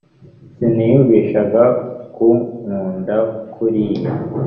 siniyumvishaga kunkunda kuriya